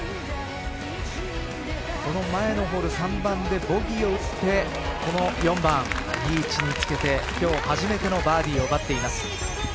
この前のホール３番でボギーを打ってこの４番いい位置につけるて今日初めてのバーディーを奪っています。